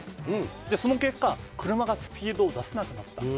その結果、車がスピードを出せなくなった。